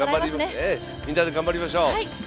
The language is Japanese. みんなで頑張りましょう。